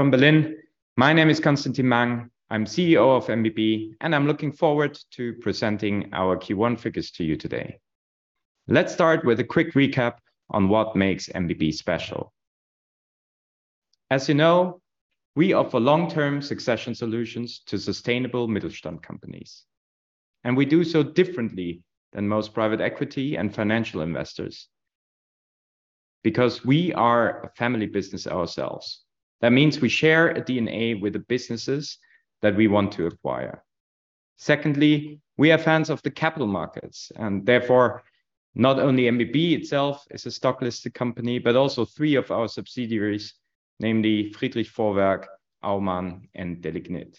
From Berlin. My name is Constantin Mang. I'm Chief Executive Officer of MBB. I'm looking forward to presenting our Q1 figures to you today. Let's start with a quick recap on what makes MBB special. As you know, we offer long-term succession solutions to sustainable Mittelstand companies. We do so differently than most private equity and financial investors because we are a family business ourselves. That means we share a DNA with the businesses that we want to acquire. Secondly, we are fans of the capital markets. Therefore, not only MBB itself is a stock listed company, but also three of our subsidiaries, namely Friedrich Vorwerk, Aumann and Delignit.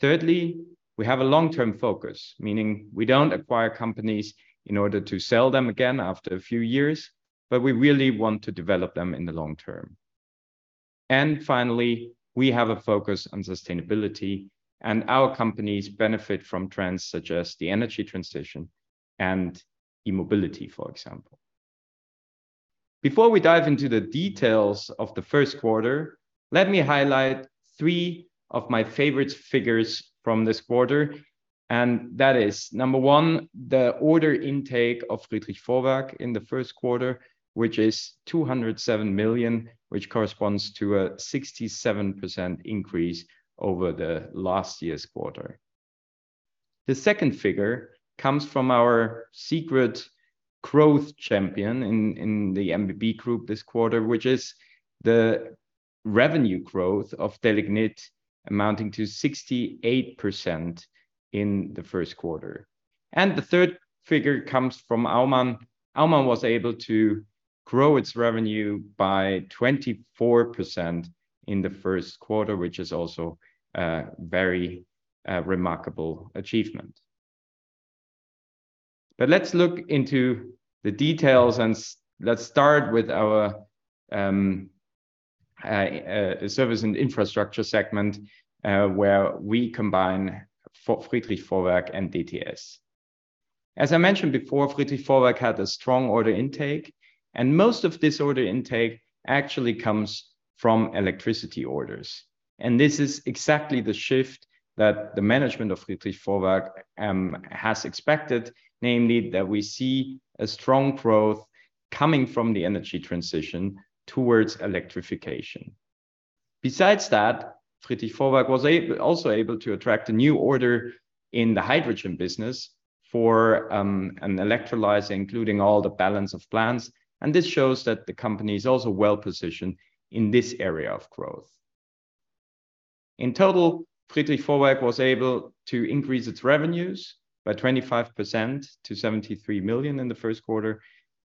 Thirdly, we have a long-term focus, meaning we don't acquire companies in order to sell them again after a few years, but we really want to develop them in the long term. Finally, we have a focus on sustainability and our companies benefit from trends such as the energy transition and e-mobility, for example. Before we dive into the details of the first quarter, let me highlight three of my favorite figures from this quarter, number one, the order intake of Friedrich Vorwerk in the first quarter, which is 207 million, which corresponds to a 67% increase over the last year's quarter. The second figure comes from our secret growth champion in the MBB group this quarter, which is the revenue growth of Delignit amounting to 68% in the first quarter. The third figure comes from Aumann. Aumann was able to grow its revenue by 24% in the first quarter, which is also a very remarkable achievement. Let's look into the details and let's start with our service and infrastructure segment, where we combine Friedrich Vorwerk and DTS. As I mentioned before, Friedrich Vorwerk had a strong order intake. Most of this order intake actually comes from electricity orders. This is exactly the shift that the management of Friedrich Vorwerk has expected, namely, that we see a strong growth coming from the energy transition towards electrification. Besides that, Friedrich Vorwerk was also able to attract a new order in the hydrogen business for an Electrolyzer, including all the Balance of Plant. This shows that the company is also well-positioned in this area of growth. In total, Friedrich Vorwerk was able to increase its revenues by 25% to 73 million in the first quarter,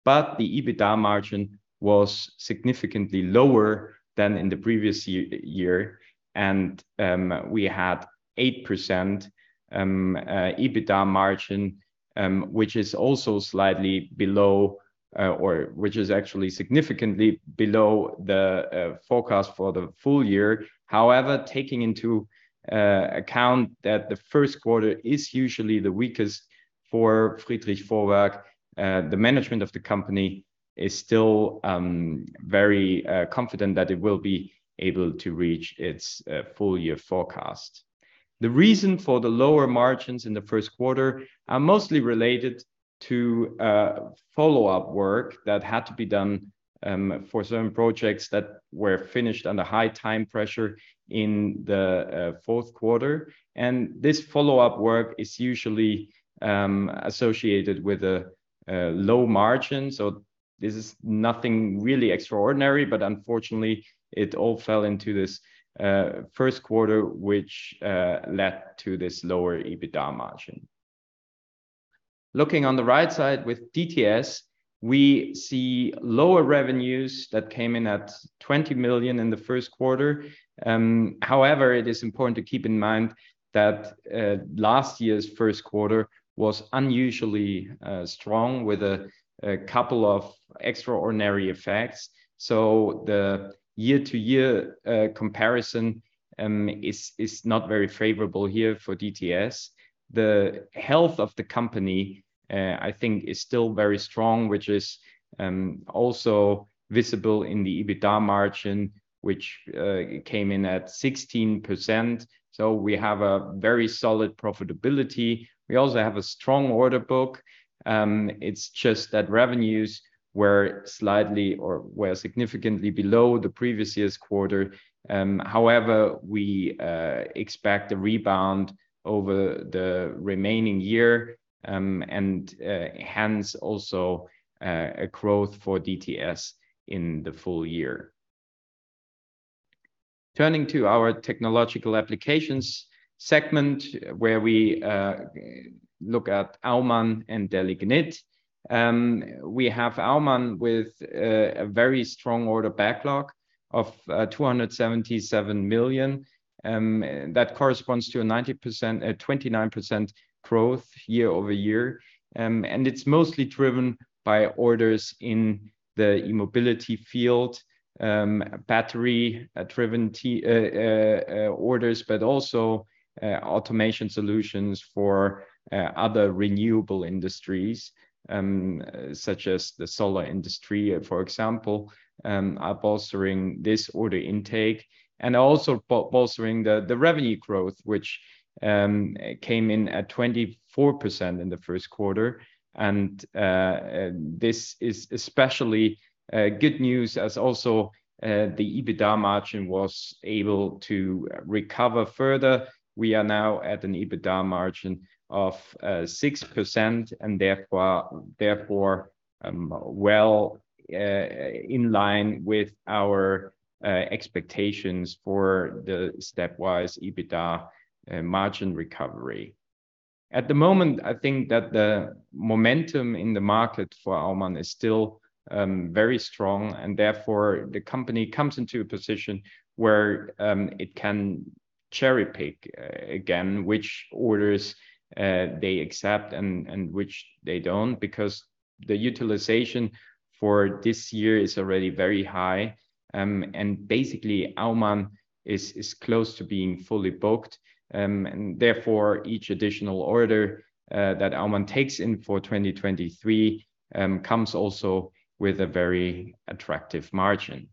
but the EBITDA margin was significantly lower than in the previous year. We had 8% EBITDA margin, which is also slightly below or which is actually significantly below the forecast for the full year. However, taking into account that the first quarter is usually the weakest for Friedrich Vorwerk, the management of the company is still very confident that it will be able to reach its full year forecast. The reason for the lower margins in the first quarter are mostly related to follow-up work that had to be done for certain projects that were finished under high time pressure in the fourth quarter. This follow-up work is usually associated with a low margin. This is nothing really extraordinary, but unfortunately, it all fell into this first quarter, which led to this lower EBITDA margin. Looking on the right side with DTS, we see lower revenues that came in at 20 million in the first quarter. However, it is important to keep in mind that last year's first quarter was unusually strong with a couple of extraordinary effects. The year-to-year comparison is not very favorable here for DTS. The health of the company, I think is still very strong, which is also visible in the EBITDA margin, which came in at 16%. We have a very solid profitability. We also have a strong order book. It's just that revenues were significantly below the previous year's quarter. However, we expect a rebound over the remaining year, and hence also a growth for DTS in the full year. Turning to our technological applications segment, where we look at Aumann and Delignit. We have Aumann with a very strong order backlog of 277 million, and that corresponds to a 29% growth year-over-year. It's mostly driven by orders in the mobility field, battery driven orders, but also automation solutions for other renewable industries, such as the solar industry, for example, are bolstering this order intake and also bolstering the revenue growth, which came in at 24% in the first quarter. This is especially good news as also the EBITDA margin was able to recover further. We are now at an EBITDA margin of 6% and therefore, well, in line with our expectations for the stepwise EBITDA margin recovery. At the moment, I think that the momentum in the market for Aumann is still very strong, and therefore the company comes into a position where it can cherry-pick again, which orders they accept and which they don't, because the utilization for this year is already very high. Basically, Aumann is close to being fully booked. Therefore, each additional order that Aumann takes in for 2023 comes also with a very attractive margin.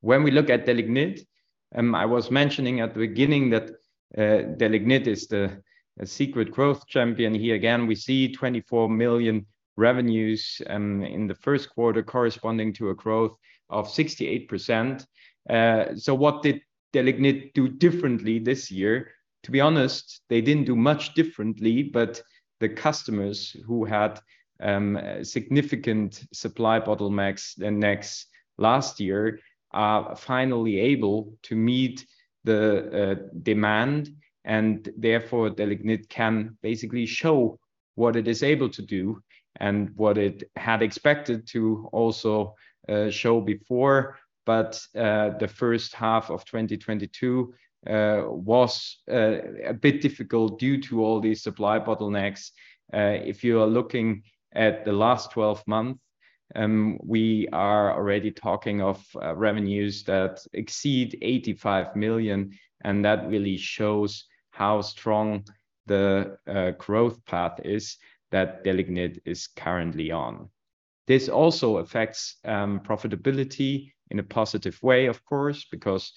When we look at Delignit, I was mentioning at the beginning that Delignit is a secret growth champion. Here again, we see 24 million revenues in the first quarter corresponding to a growth of 68%. What did Delignit do differently this year? To be honest, they didn't do much differently, but the customers who had significant supply bottlenecks than next last year are finally able to meet the demand, and therefore Delignit can basically show what it is able to do and what it had expected to also show before. The first half of 2022 was a bit difficult due to all these supply bottlenecks. If you are looking at the last 12 months, we are already talking of revenues that exceed 85 million, and that really shows how strong the growth path is that Delignit is currently on. This also affects profitability in a positive way, of course, because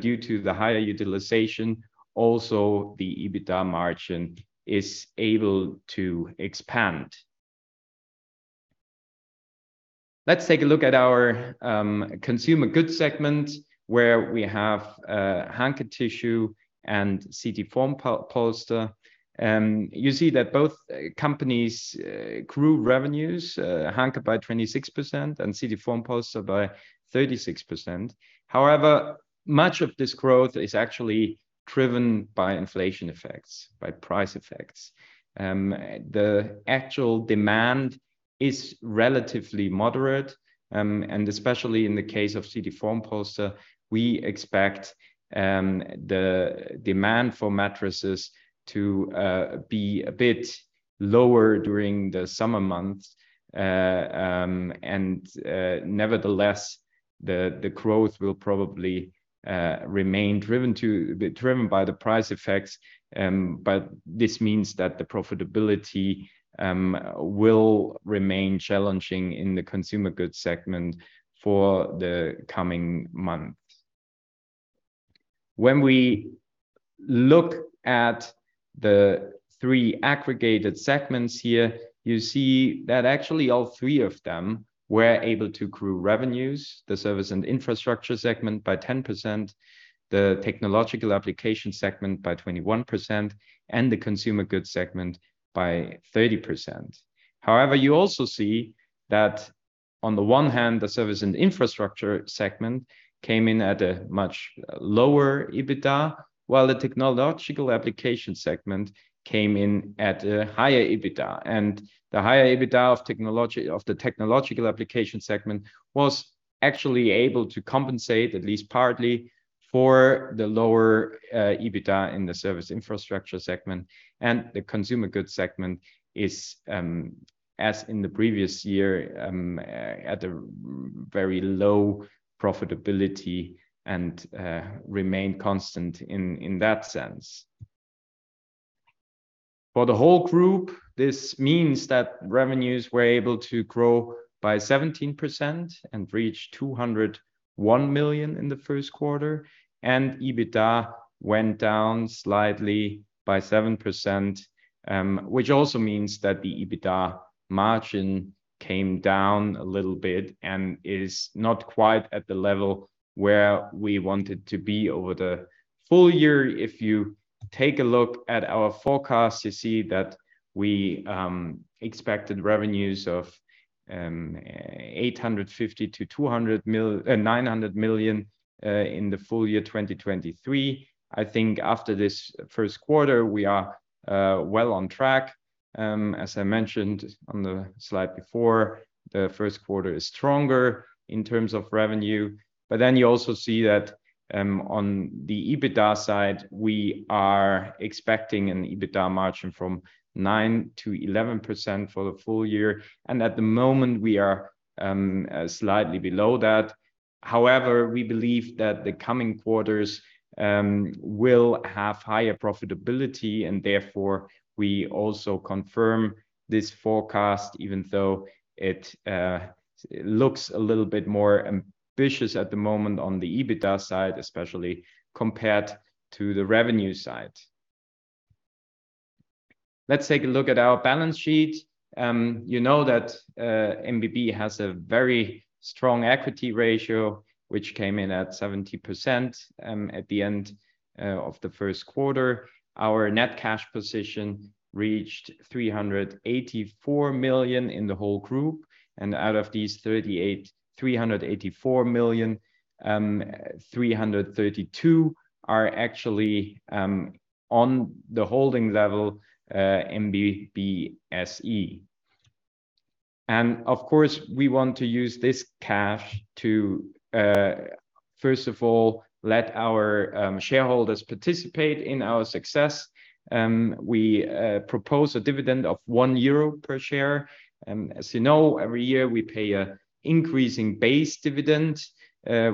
due to the higher utilization, also the EBITDA margin is able to expand. Let's take a look at our consumer goods segment, where we have Hanke Tissue and CT Formpolster. You see that both companies grew revenues, Hanke by 26% and CT Formpolster by 36%. However, much of this growth is actually driven by inflation effects, by price effects. The actual demand is relatively moderate, and especially in the case of CT Formpolster, we expect the demand for mattresses to be a bit lower during the summer months. Nevertheless, the growth will probably remain driven by the price effects. This means that the profitability will remain challenging in the consumer goods segment for the coming months. When we look at the three aggregated segments here, you see that actually all three of them were able to grow revenues, the service and infrastructure segment by 10%, the technological application segment by 21%, and the consumer goods segment by 30%. However, you also see that on the one hand, the service and infrastructure segment came in at a much lower EBITDA, while the technological application segment came in at a higher EBITDA. The higher EBITDA of technology, of the technological application segment was actually able to compensate, at least partly, for the lower EBITDA in the service infrastructure segment. The consumer goods segment is, as in the previous year, at a very low profitability and remain constant in that sense. For the whole group, this means that revenues were able to grow by 17% and reach 201 million in the first quarter, and EBITDA went down slightly by 7%, which also means that the EBITDA margin came down a little bit and is not quite at the level where we want it to be over the full year. If you take a look at our forecast, you see that we expected revenues of 850 million-900 million in the full year 2023. I think after this first quarter, we are well on track. As I mentioned on the slide before, the first quarter is stronger in terms of revenue. You also see that on the EBITDA side, we are expecting an EBITDA margin from 9%-11% for the full year, and at the moment we are slightly below that. However, we believe that the coming quarters will have higher profitability, and therefore we also confirm this forecast, even though it looks a little bit more ambitious at the moment on the EBITDA side, especially compared to the revenue side. Let's take a look at our balance sheet. You know that MBB has a very strong equity ratio, which came in at 70% at the end of the first quarter. Our net cash position reached 384 million in the whole group. Out of these 384 million, 332 million are actually on the holding level, MBB SE. Of course, we want to use this cash to, first of all, let our shareholders participate in our success. We propose a dividend of 1 euro per share. As you know, every year we pay an increasing base dividend,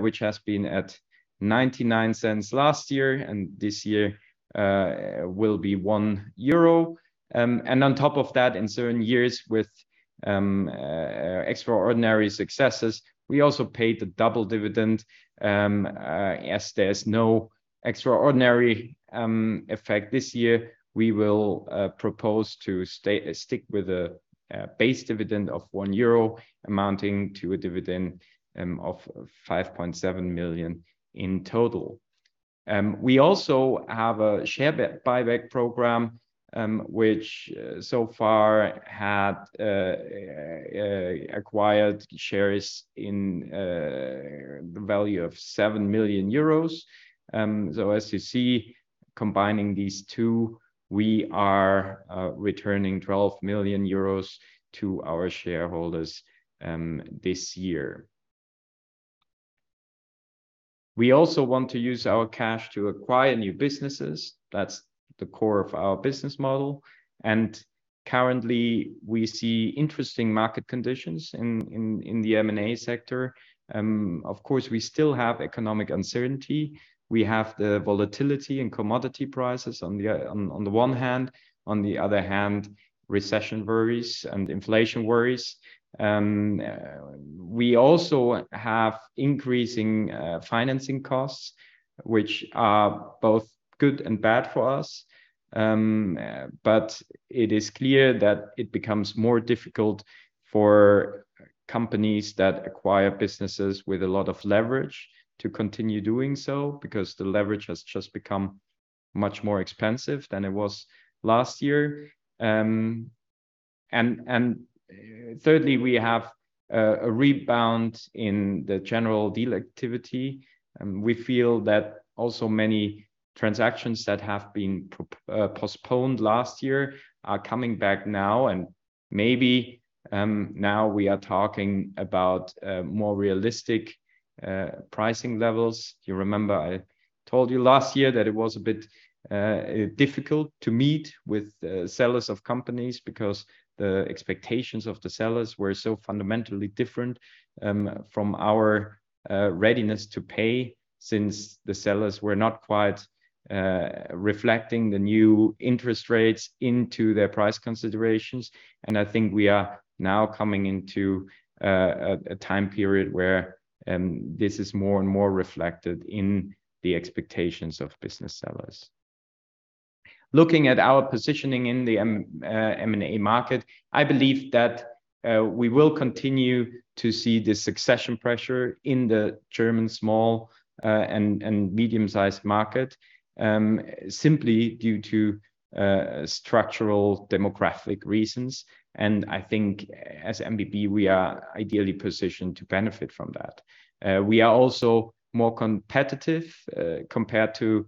which has been at 0.99 last year, and this year, will be 1 euro. On top of that, in certain years with extraordinary successes, we also paid the double dividend. As there's no extraordinary effect this year, we will propose to stick with a base dividend of 1 euro, amounting to a dividend of 5.7 million in total. We also have a share buyback program, which so far had acquired shares in the value of 7 million euros. As you see, combining these two, we are returning 12 million euros to our shareholders this year. We also want to use our cash to acquire new businesses. That's the core of our business model. Currently, we see interesting market conditions in the M&A sector. Of course, we still have economic uncertainty. We have the volatility in commodity prices on the one hand, on the other hand, recession worries and inflation worries. We also have increasing financing costs, which are both good and bad for us. But it is clear that it becomes more difficult for companies that acquire businesses with a lot of leverage to continue doing so, because the leverage has just become much more expensive than it was last year. Thirdly, we have a rebound in the general deal activity. We feel that also many transactions that have been postponed last year are coming back now. Maybe now we are talking about more realistic pricing levels. You remember I told you last year that it was a bit difficult to meet with sellers of companies because the expectations of the sellers were so fundamentally different from our readiness to pay since the sellers were not quite reflecting the new interest rates into their price considerations. I think we are now coming into a time period where this is more and more reflected in the expectations of business sellers. Looking at our positioning in the M&A market, I believe that we will continue to see the succession pressure in the German small and medium-sized market simply due to structural demographic reasons. I think as MBB, we are ideally positioned to benefit from that. We are also more competitive compared to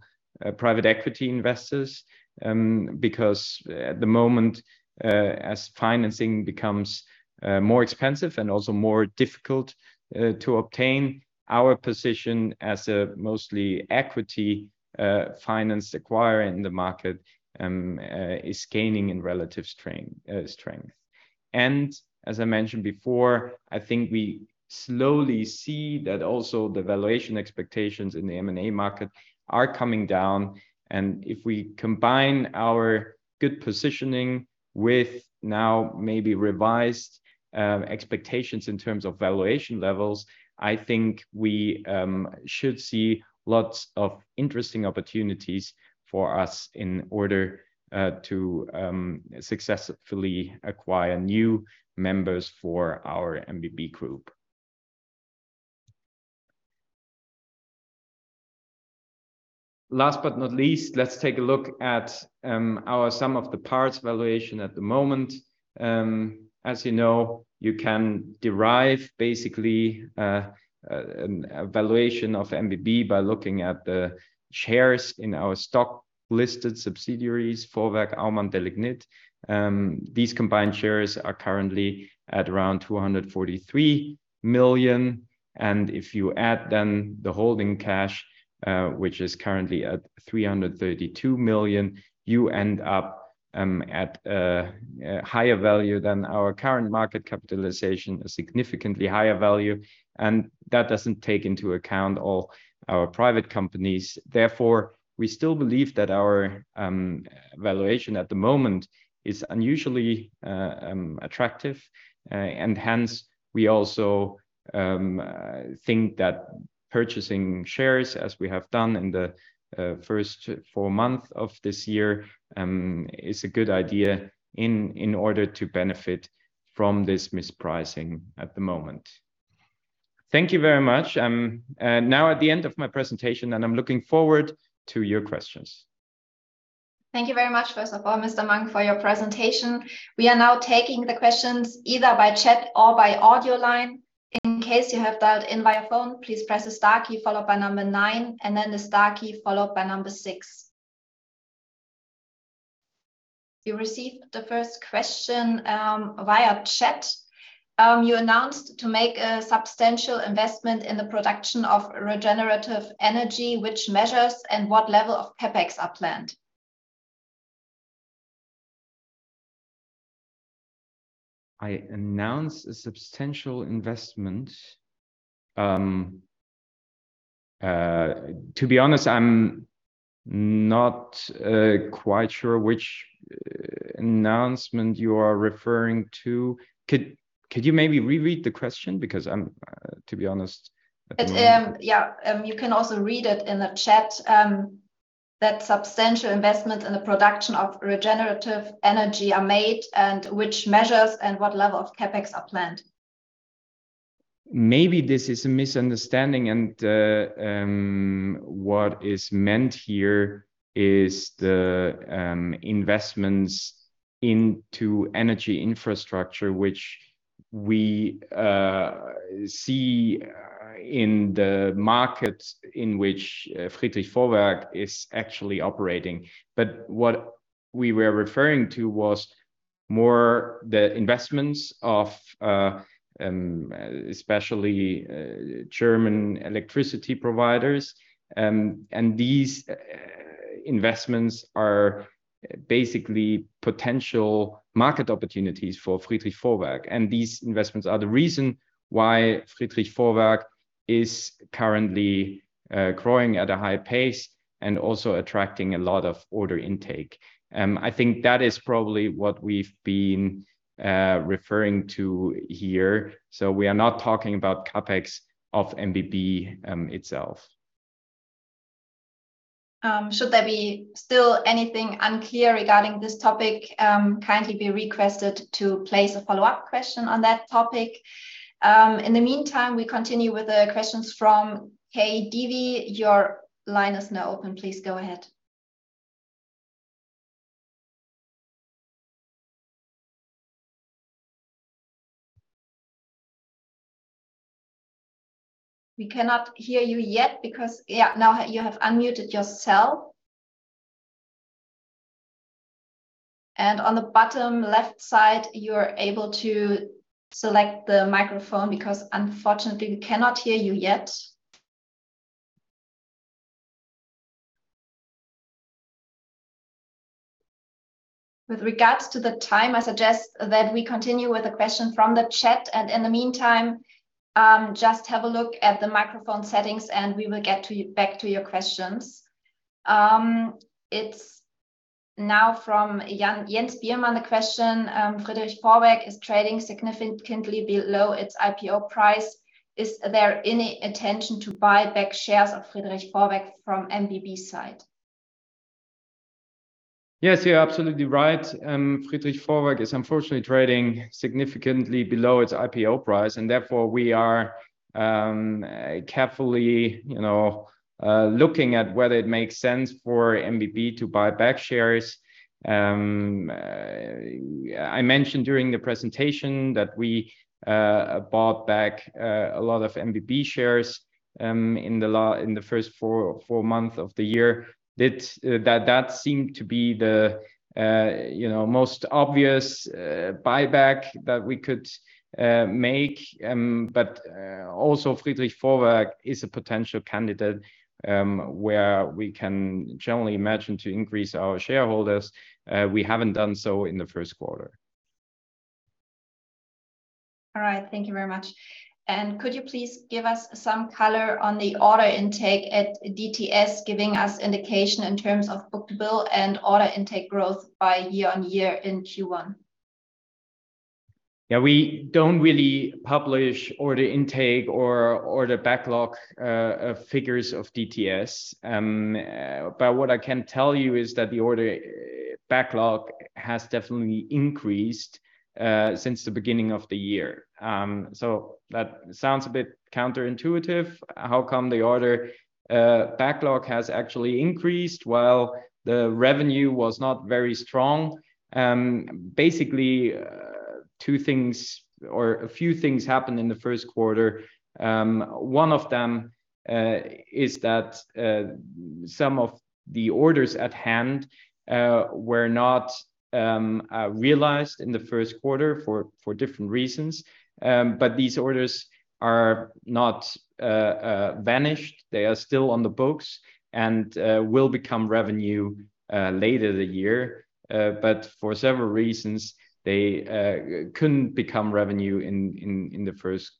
private equity investors because at the moment, as financing becomes more expensive and also more difficult to obtain, our position as a mostly equity finance acquirer in the market is gaining in relative strength. As I mentioned before, I think we slowly see that also the valuation expectations in the M&A market are coming down. If we combine our good positioning with now maybe revised expectations in terms of valuation levels, I think we should see lots of interesting opportunities for us in order to successfully acquire new members for our MBB Group. Last but not least, let's take a look at our sum of the parts valuation at the moment. As you know, you can derive basically a valuation of MBB by looking at the shares in our stock-listed subsidiaries, Vorwerk, Aumann, Delignit. These combined shares are currently at around 243 million. If you add then the holding cash, which is currently at 332 million, you end up at a higher value than our current market capitalization, a significantly higher value, and that doesn't take into account all our private companies. Therefore, we still believe that our valuation at the moment is unusually attractive. Hence, we also think that purchasing shares as we have done in the first 4 months of this year is a good idea in order to benefit from this mispricing at the moment. Thank you very much. I'm, now at the end of my presentation, and I'm looking forward to your questions. Thank you very much, first of all, Mr. Mang, for your presentation. We are now taking the questions either by chat or by audio line. In case you have dialed in via phone, please press the star key followed by 9 and then the star key followed by 6. You received the first question via chat. You announced to make a substantial investment in the production of regenerative energy. Which measures and what level of CapEx are planned? I announced a substantial investment. To be honest, I'm not quite sure which announcement you are referring to. Could you maybe re-read the question? Because I'm, to be honest. It's. Yeah, you can also read it in the chat, that substantial investment in the production of regenerative energy are made, and which measures and what level of CapEx are planned. Maybe this is a misunderstanding and what is meant here is the investments into energy infrastructure, which we see in the market in which Friedrich Vorwerk is actually operating. What we were referring to was more the investments of especially German electricity providers. These investments are basically potential market opportunities for Friedrich Vorwerk, and these investments are the reason why Friedrich Vorwerk is currently growing at a high pace and also attracting a lot of order intake. I think that is probably what we've been referring to here. We are not talking about CapEx of MBB itself. Should there be still anything unclear regarding this topic, kindly be requested to place a follow-up question on that topic. In the meantime, we continue with the questions from KBW. Your line is now open. Please go ahead. We cannot hear you yet. Now you have unmuted yourself. On the bottom left side, you're able to select the microphone because unfortunately we cannot hear you yet. With regards to the time, I suggest that we continue with the question from the chat, and in the meantime, just have a look at the microphone settings and we will get to you, back to your questions. It's now from Jens Biermann. The question, Friedrich Vorwerk is trading significantly below its IPO price. Is there any intention to buy back shares of Friedrich Vorwerk from MBB side? Yes, you're absolutely right. Friedrich Vorwerk is unfortunately trading significantly below its IPO price, and therefore we are carefully, you know, looking at whether it makes sense for MBB to buy back shares. I mentioned during the presentation that we bought back a lot of MBB shares in the first four month of the year. That seemed to be the, you know, most obvious buyback that we could make. Also Friedrich Vorwerk is a potential candidate where we can generally imagine to increase our shareholders. We haven't done so in the first quarter. All right. Thank you very much. Could you please give us some color on the order intake at DTS, giving us indication in terms of book-to-bill and order intake growth by year-on-year in Q1? Yeah, we don't really publish order intake or order backlog figures of DTS. What I can tell you is that the order backlog has definitely increased since the beginning of the year. That sounds a bit counterintuitive. How come the order backlog has actually increased while the revenue was not very strong? Basically, two things or a few things happened in the first quarter. One of them is that some of the orders at hand were not realized in the first quarter for different reasons. These orders are not vanished. They are still on the books and will become revenue later the year. For several reasons, they couldn't become revenue in the first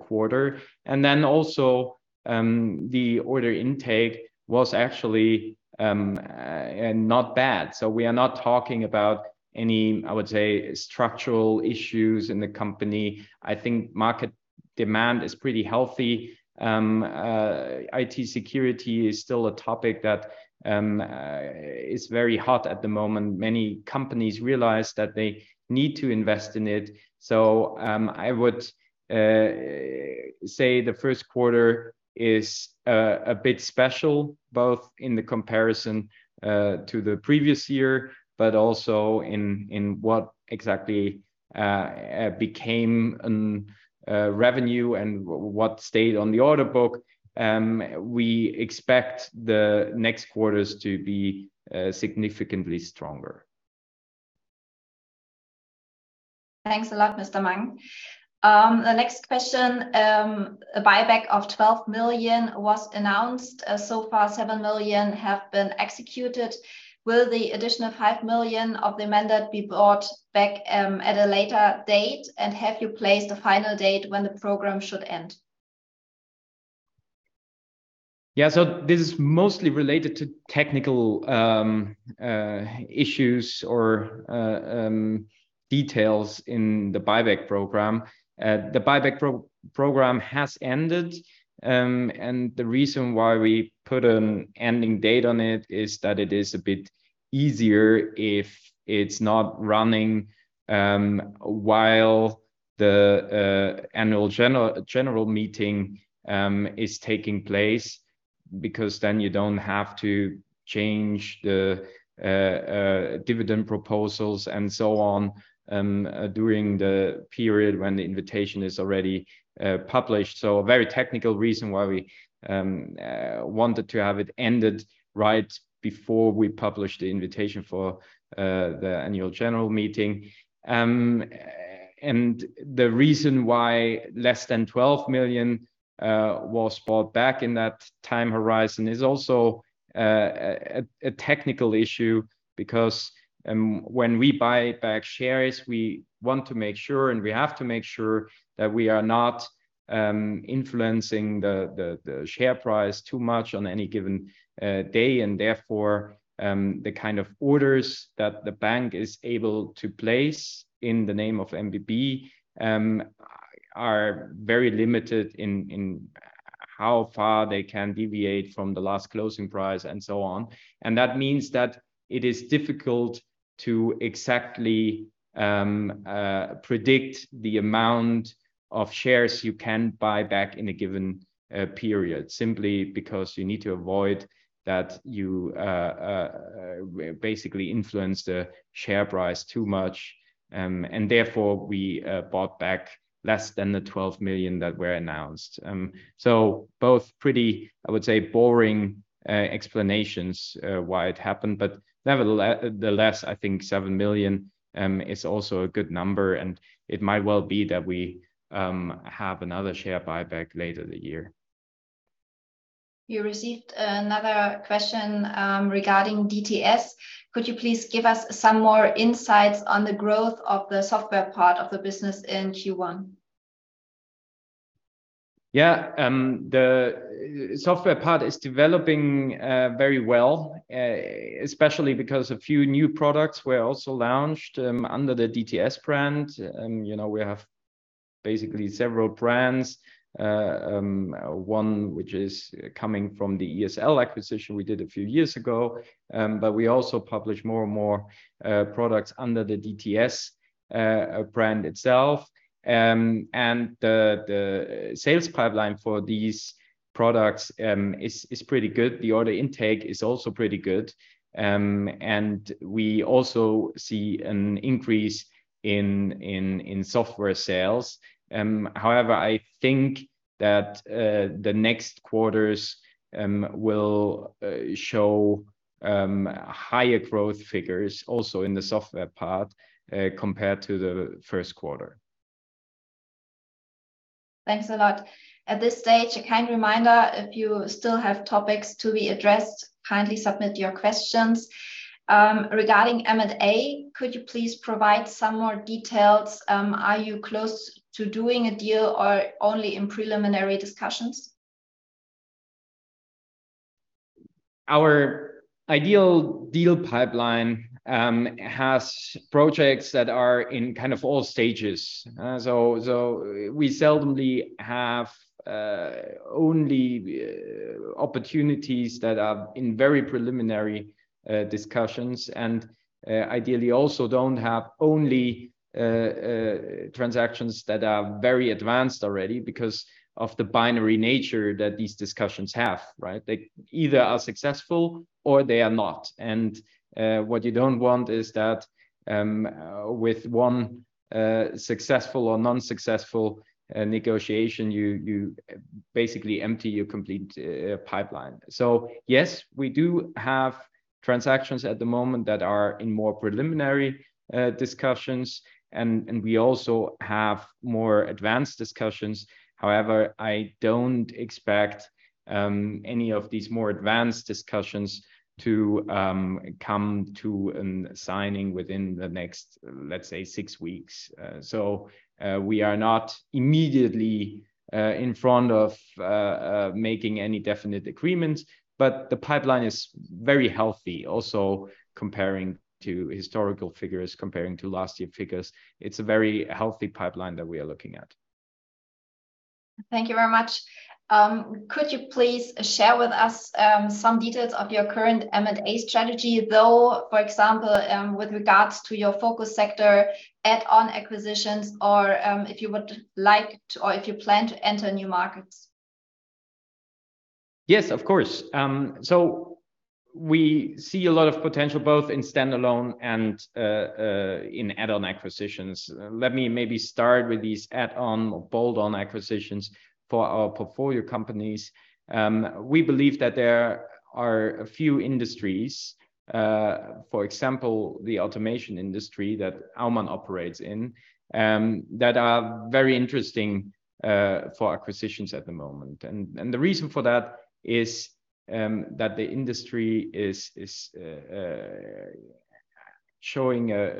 quarter. The order intake was actually not bad. We are not talking about any, I would say, structural issues in the company. I think market demand is pretty healthy. IT security is still a topic that is very hot at the moment. Many companies realize that they need to invest in it. I would say the first quarter is a bit special, both in the comparison to the previous year, but also in what exactly became an revenue and what stayed on the order book. We expect the next quarters to be significantly stronger. Thanks a lot, Mr. Mang. The next question. A buyback of 12 million was announced. So far, 7 million have been executed. Will the additional 5 million of the mandate be bought back at a later date? Have you placed a final date when the program should end? Yeah. This is mostly related to technical issues or details in the buyback program. The buyback program has ended, and the reason why we put an ending date on it is that it is a bit easier if it's not running while the annual general meeting is taking place, because then you don't have to change the dividend proposals and so on during the period when the invitation is already published. A very technical reason why we wanted to have it ended right before we published the invitation for the annual general meeting. The reason why less than 12 million was bought back in that time horizon is also a technical issue because when we buy back shares, we want to make sure, and we have to make sure that we are not influencing the share price too much on any given day and therefore, the kind of orders that the bank is able to place in the name of MBB are very limited in how far they can deviate from the last closing price and so on. That means that it is difficult to exactly predict the amount of shares you can buy back in a given period simply because you need to avoid that you basically influence the share price too much. We bought back less than 12 million that were announced. Both pretty, I would say, boring explanations why it happened, but nevertheless, I think 7 million is also a good number, and it might well be that we have another share buyback later the year. You received another question, regarding DTS. Could you please give us some more insights on the growth of the software part of the business in Q1? Yeah. The software part is developing very well, especially because a few new products were also launched under the DTS brand. You know, we have basically several brands, one which is coming from the ISL acquisition we did a few years ago, but we also publish more and more products under the DTS brand itself. The sales pipeline for these products is pretty good. The order intake is also pretty good. We also see an increase in software sales. However, I think that the next quarters will show higher growth figures also in the software part compared to the first quarter. Thanks a lot. At this stage, a kind reminder, if you still have topics to be addressed, kindly submit your questions. Regarding M&A, could you please provide some more details? Are you close to doing a deal or only in preliminary discussions? Our ideal deal pipeline has projects that are in kind of all stages. We seldomly have only opportunities that are in very preliminary discussions and ideally also don't have only transactions that are very advanced already because of the binary nature that these discussions have, right? They either are successful or they are not. What you don't want is that with one successful or non-successful negotiation, you basically empty your complete pipeline. Yes, we do have transactions at the moment that are in more preliminary discussions and we also have more advanced discussions. However, I don't expect any of these more advanced discussions to come to an signing within the next, let's say, six weeks. We are not immediately in front of making any definite agreements, but the pipeline is very healthy. Comparing to historical figures, comparing to last year figures, it's a very healthy pipeline that we are looking at. Thank you very much. Could you please share with us some details of your current M&A strategy though, for example, with regards to your focus sector, add-on acquisitions or, if you would like to, or if you plan to enter new markets? Yes, of course. We see a lot of potential both in standalone and in add-on acquisitions. Let me maybe start with these add-on or bolt-on acquisitions for our portfolio companies. We believe that there are a few industries, for example, the automation industry that Aumann operates in, that are very interesting for acquisitions at the moment. And the reason for that is that the industry is showing a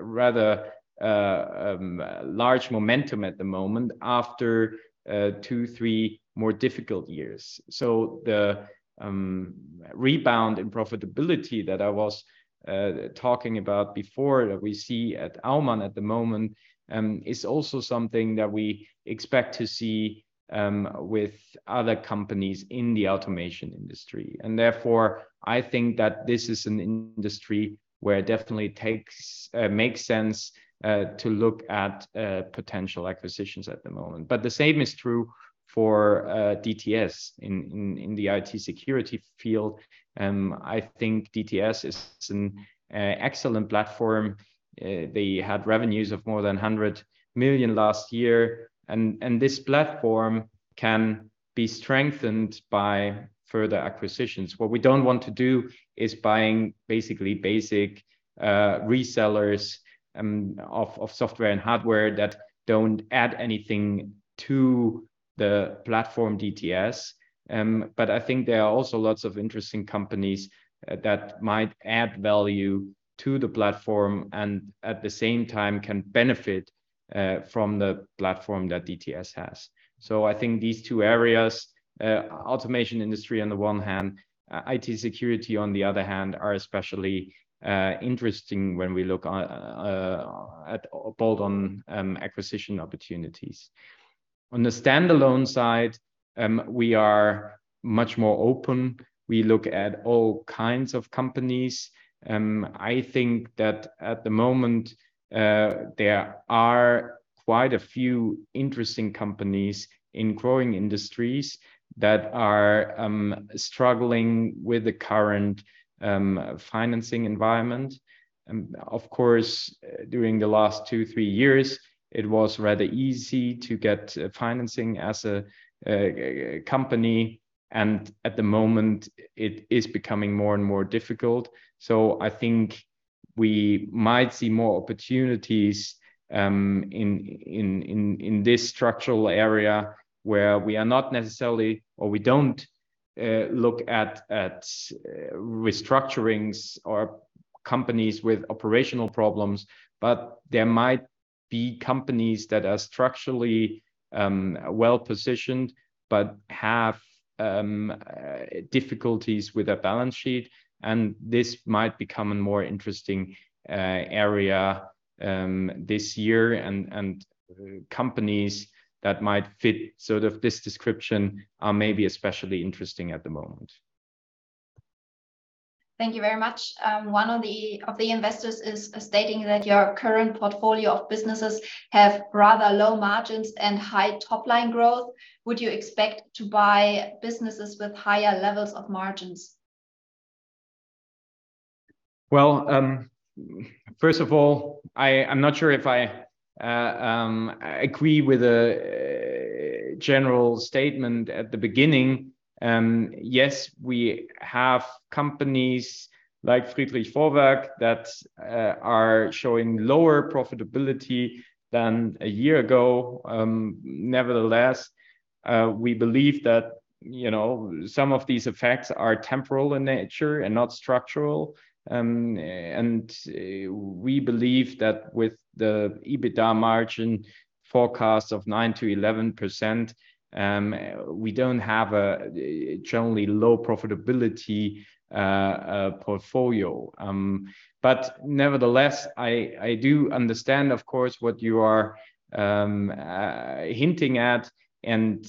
rather large momentum at the moment after 2, 3 more difficult years. The rebound in profitability that I was talking about before that we see at Aumann at the moment, is also something that we expect to see with other companies in the automation industry. Therefore, I think that this is an industry where it definitely takes... makes sense to look at potential acquisitions at the moment. The same is true for DTS in the IT security field. DTS is an excellent platform. They had revenues of more than 100 million last year, and this platform can be strengthened by further acquisitions. What we don't want to do is buying basic resellers of software and hardware that don't add anything to the platform DTS. I think there are also lots of interesting companies that might add value to the platform and at the same time can benefit from the platform that DTS has. I think these two areas, automation industry on the one hand, IT security on the other hand, are especially interesting when we look on at bolt-on acquisition opportunities. On the standalone side, we are much more open. We look at all kinds of companies. I think that at the moment, there are quite a few interesting companies in growing industries that are struggling with the current financing environment. Of course, during the last two, three years, it was rather easy to get financing as a company, and at the moment it is becoming more and more difficult. I think we might see more opportunities, in this structural area where we are not necessarily or we don't look at restructurings or companies with operational problems, but there might be companies that are structurally well-positioned but have difficulties with their balance sheet, and this might become a more interesting area this year. Companies that might fit sort of this description are maybe especially interesting at the moment. Thank you very much. One of the investors is stating that your current portfolio of businesses have rather low margins and high top-line growth. Would you expect to buy businesses with higher levels of margins? Well, first of all, I'm not sure if I agree with the general statement at the beginning. Yes, we have companies like Friedrich Vorwerk that are showing lower profitability than a year ago. Nevertheless, we believe that, you know, some of these effects are temporal in nature and not structural. We believe that with the EBITDA margin forecast of 9%-11%, we don't have a generally low profitability portfolio. Nevertheless, I do understand, of course, what you are hinting at. When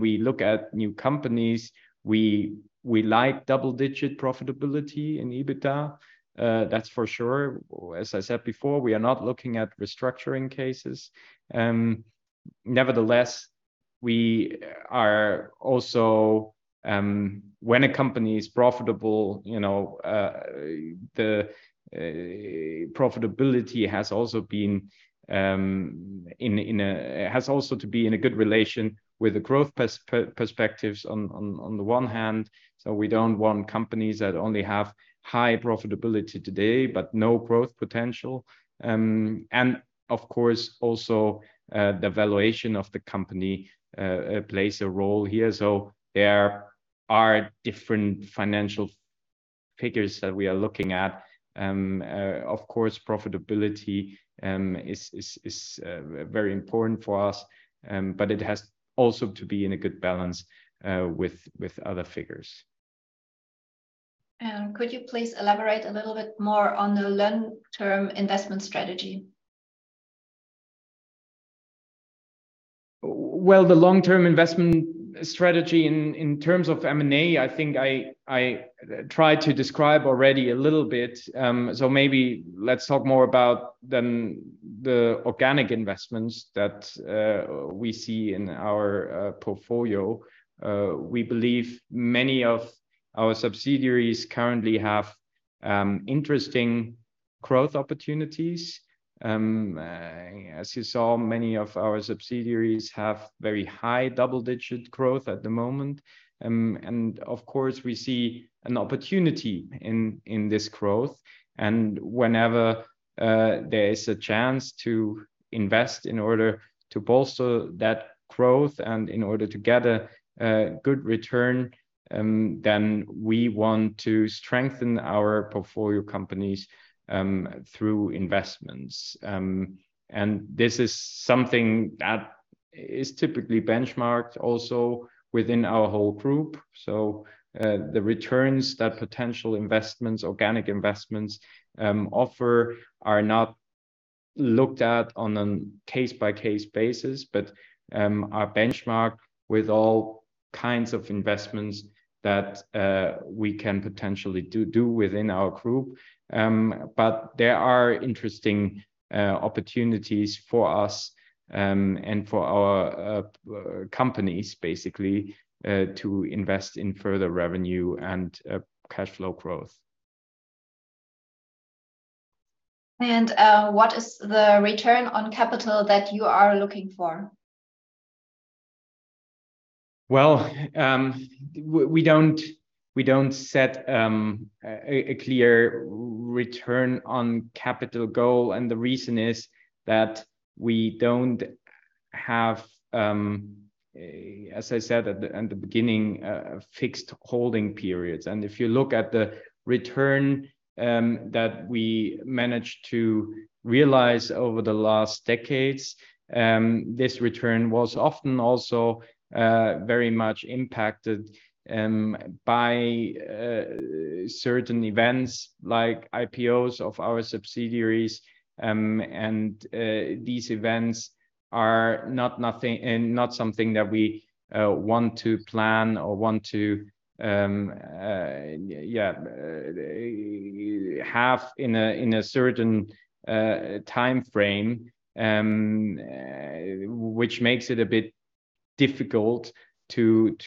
we look at new companies, we like double-digit profitability in EBITDA, that's for sure. As I said before, we are not looking at restructuring cases. Nevertheless, we are also... when a company is profitable, you know, the profitability has also been in a, has also to be in a good relation with the growth perspectives on the one hand. We don't want companies that only have high profitability today but no growth potential. Of course also, the valuation of the company plays a role here. There are different financial figures that we are looking at. Of course, profitability is very important for us, but it has also to be in a good balance with other figures. Could you please elaborate a little bit more on the long-term investment strategy? The long-term investment strategy in terms of M&A, I think I tried to describe already a little bit, so maybe let's talk more about then the organic investments that we see in our portfolio. We believe many of our subsidiaries currently have interesting growth opportunities. As you saw, many of our subsidiaries have very high double-digit growth at the moment. Of course, we see an opportunity in this growth. Whenever there is a chance to invest in order to bolster that growth and in order to get a good return, then we want to strengthen our portfolio companies through investments. This is something that is typically benchmarked also within our whole group. The returns that potential investments, organic investments, offer are not looked at on a case-by-case basis, but are benchmarked with all kinds of investments that we can potentially do within our group. There are interesting opportunities for us, and for our companies basically, to invest in further revenue and cash flow growth. What is the return on capital that you are looking for? Well, we don't set a clear return on capital goal. The reason is that we don't have, as I said at the beginning, fixed holding periods. If you look at the return that we managed to realize over the last decades, this return was often also very much impacted by certain events like IPOs of our subsidiaries. These events are not something that we want to plan or want to, yeah, have in a certain timeframe. Which makes it a bit difficult to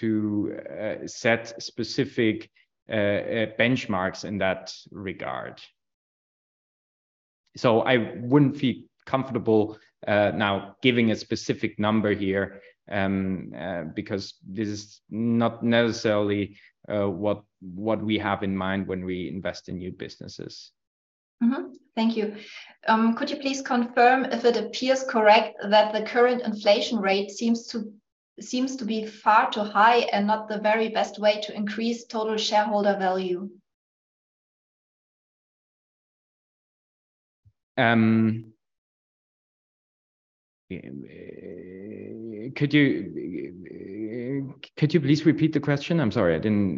set specific benchmarks in that regard. I wouldn't feel comfortable, now giving a specific number here, because this is not necessarily, what we have in mind when we invest in new businesses. Thank you. Could you please confirm if it appears correct that the current inflation rate seems to be far too high and not the very best way to increase total shareholder value? Could you please repeat the question? I'm sorry. I didn't.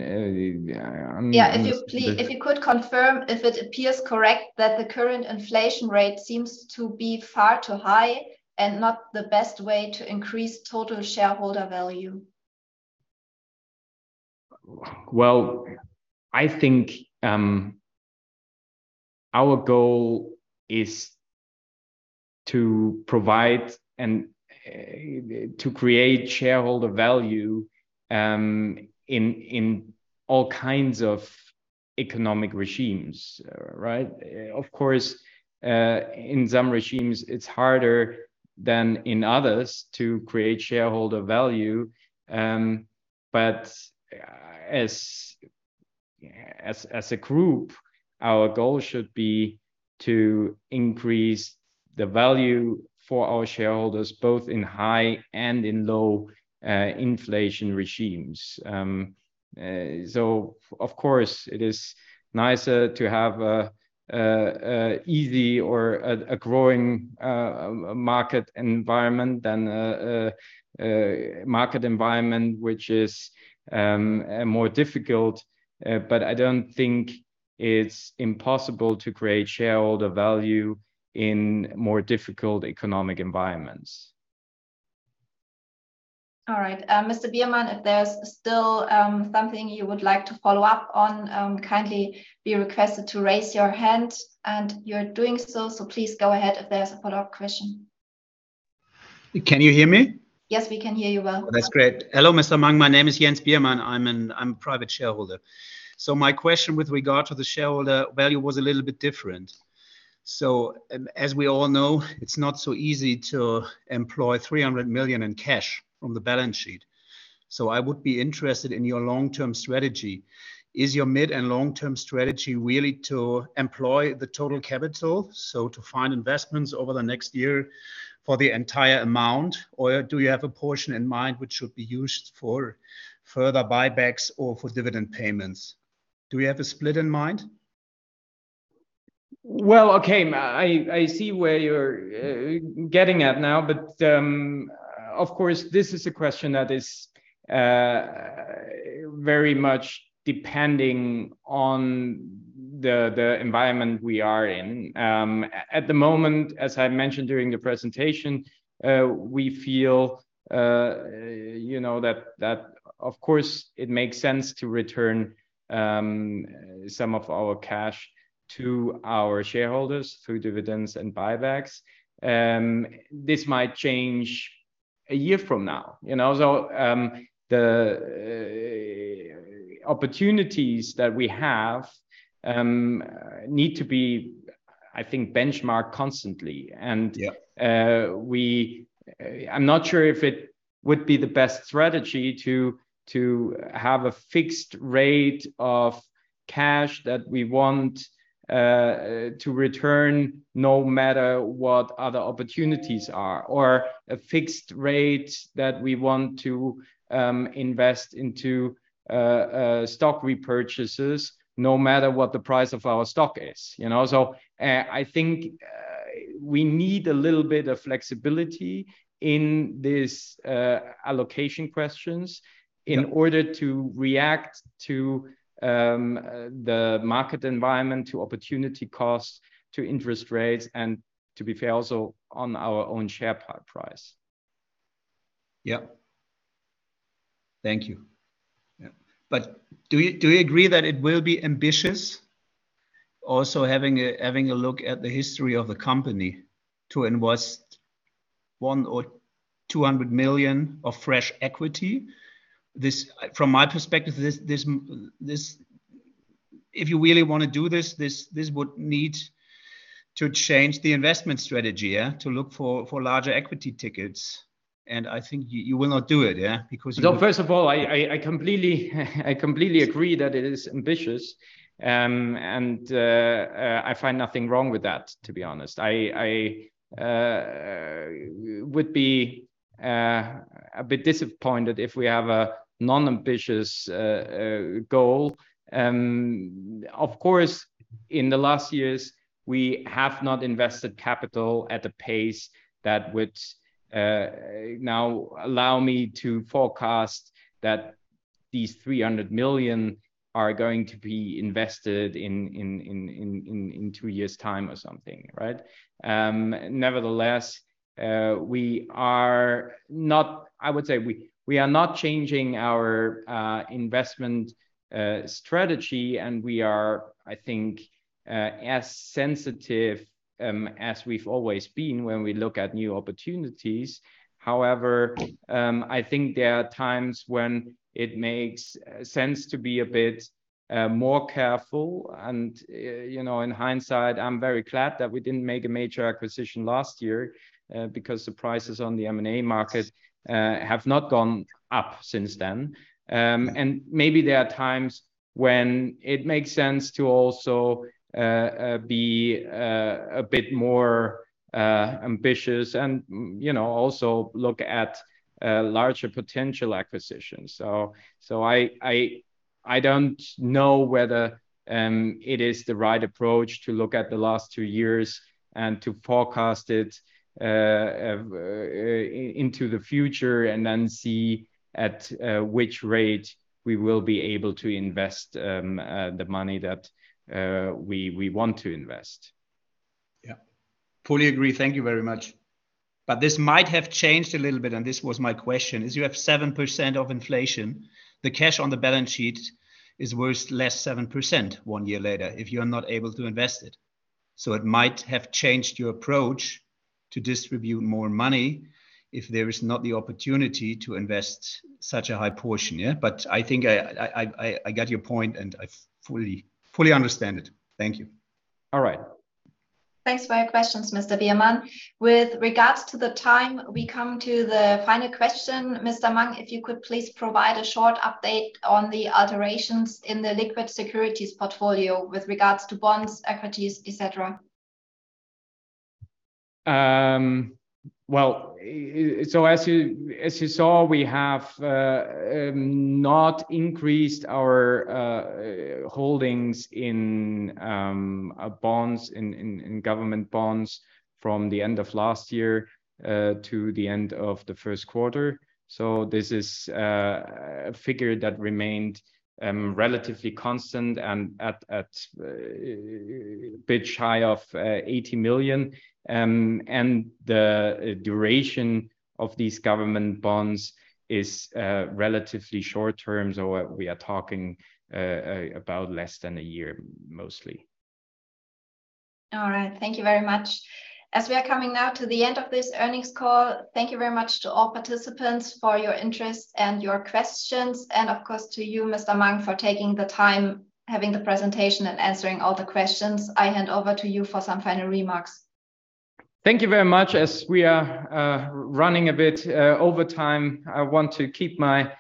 Yeah. If you please- The- If you could confirm if it appears correct that the current inflation rate seems to be far too high and not the best way to increase total shareholder value? Well, I think, our goal is to provide and to create shareholder value in all kinds of economic regimes, right? Of course, in some regimes it's harder than in others to create shareholder value. As a group, our goal should be to increase the value for our shareholders, both in high and in low inflation regimes. Of course it is nicer to have a easy or a growing market environment than a market environment which is more difficult. I don't think it's impossible to create shareholder value in more difficult economic environments. All right. Mr. Biermann, if there's still something you would like to follow up on, kindly be requested to raise your hand. You're doing so please go ahead if there's a follow-up question. Can you hear me? Yes, we can hear you well. That's great. Hello, Constantin Mang. My name is Jens Biermann. I'm a private shareholder. My question with regard to the shareholder value was a little bit different. As we all know, it's not so easy to employ 300 million in cash from the balance sheet. I would be interested in your long-term strategy. Is your mid and long-term strategy really to employ the total capital, so to find investments over the next year for the entire amount? Or do you have a portion in mind which should be used for further buybacks or for dividend payments? Do we have a split in mind? Okay, I see where you're getting at now. Of course, this is a question that is very much depending on the environment we are in. At the moment, as I mentioned during the presentation, we feel, you know, that of course it makes sense to return some of our cash to our shareholders through dividends and buybacks. This might change a year from now. You know? The opportunities that we have need to be, I think, benchmarked constantly. Yeah... I'm not sure if it would be the best strategy to have a fixed rate of cash that we want to return no matter what other opportunities are, or a fixed rate that we want to invest into stock repurchases no matter what the price of our stock is. You know? I think, we need a little bit of flexibility in this allocation questions. Yeah... in order to react to the market environment, to opportunity costs, to interest rates, and to be fair also on our own share price. Yeah. Thank you. Yeah. Do you agree that it will be ambitious also having a look at the history of the company to invest 100 million-200 million of fresh equity? This, from my perspective, this... If you really wanna do this would need to change the investment strategy, yeah? I think you will not do it, yeah? Because you First of all, I completely agree that it is ambitious, and I find nothing wrong with that, to be honest. I would be a bit disappointed if we have a non-ambitious goal. Of course, in the last years, we have not invested capital at the pace that would now allow me to forecast that these 300 million are going to be invested in 2 years' time or something, right? Nevertheless, we are not changing our investment strategy and we are, I think, as sensitive as we've always been when we look at new opportunities. I think there are times when it makes sense to be a bit more careful and you know, in hindsight, I'm very glad that we didn't make a major acquisition last year because the prices on the M&A market have not gone up since then. Maybe there are times when it makes sense to also be a bit more ambitious and you know, also look at larger potential acquisitions. I don't know whether it is the right approach to look at the last two years and to forecast it into the future and then see at which rate we will be able to invest the money that we want to invest. Yeah. Fully agree. Thank you very much. This might have changed a little bit, and this was my question, is you have 7% of inflation. The cash on the balance sheet is worth less 7% 1 year later if you are not able to invest it. It might have changed your approach to distribute more money if there is not the opportunity to invest such a high portion, yeah? I think I get your point and I fully understand it. Thank you. All right. Thanks for your questions, Mr. Biermann. With regards to the time, we come to the final question. Constantin Mang, if you could please provide a short update on the alterations in the liquid securities portfolio with regards to bonds, equities, et cetera. Well, as you saw, we have not increased our holdings in government bonds from the end of last year to the end of the first quarter. This is a figure that remained relatively constant and at a bit high of 80 million. The duration of these government bonds is relatively short term, so we are talking about less than a year mostly. All right. Thank you very much. As we are coming now to the end of this earnings call, thank you very much to all participants for your interest and your questions, and of course to you, Constantin Mang, for taking the time, having the presentation and answering all the questions. I hand over to you for some final remarks. Thank you very much. As we are running a bit over time, I want to keep my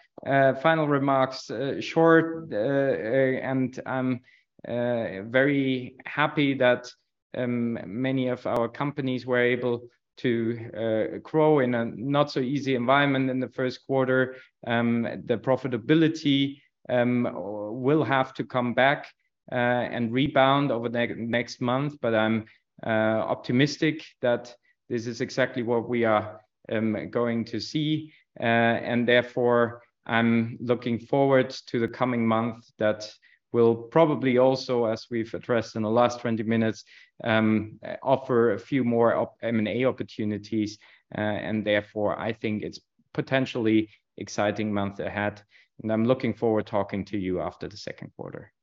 final remarks short. I'm very happy that many of our companies were able to grow in a not so easy environment in the first quarter. The profitability will have to come back and rebound over the next month, but I'm optimistic that this is exactly what we are going to see. Therefore, I'm looking forward to the coming month that will probably also, as we've addressed in the last 20 minutes, offer a few more M&A opportunities, and therefore I think it's potentially exciting month ahead, and I'm looking forward talking to you after the second quarter.